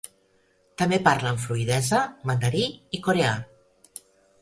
També parla amb fluïdesa mandarí i coreà.